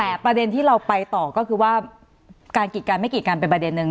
แต่ประเด็นที่เราไปต่อก็คือว่าการกีดกันไม่กีดกันเป็นประเด็นนึง